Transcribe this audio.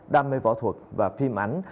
đam mê võ thuật và phim ảnh